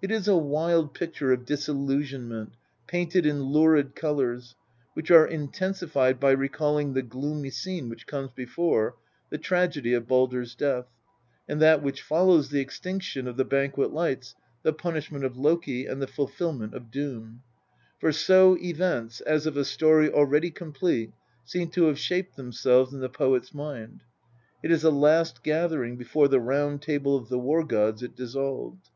It is a wild picture of disillusion ment, painted in lurid colours, which are intensified by recalling the gloomy scene which comes before, the tragedy of Baldr's death, and that which follows the extinction of the banquet lights, the punishment of Loki, and the fulfilment of Doom for so events, as of a story already complete, seem to have shaped themselves in the poet's mind. It is a last gathering before the round table of the war gods is dis solved.